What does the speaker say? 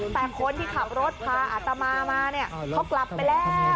แต่คนที่ขับรถพาอาตมามาเนี่ยเขากลับไปแล้ว